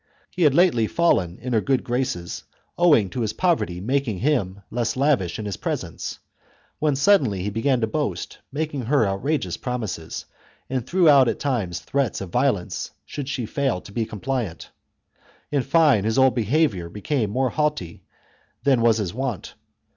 He had lately fallen in her good graces owing to his poverty making him less lavish in his presents, when suddenly he began to boast, made her outrageous promises, and threw out at times threats of violence should she fail to be compliant ; in fine, his whole behaviour became more haughty than was his wont.